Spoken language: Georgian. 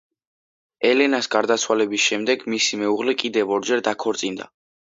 ელენას გარდაცვალების შემდეგ მისი მეუღლე კიდევ ორჯერ დაქორწინდა.